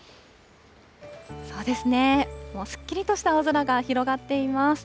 そうですね、すっきりとした青空が広がっています。